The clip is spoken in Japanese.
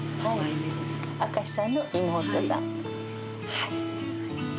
はい。